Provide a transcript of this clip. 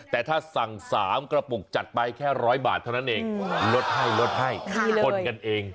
แต่ถ้าสั่ง๓กระปุกจัดไปแค่๑๐๐บาทเท่านั้นเองลดให้ลดให้คนกันเอง